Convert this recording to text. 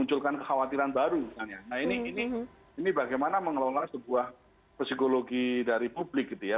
nah ini bagaimana mengelola sebuah psikologi dari publik gitu ya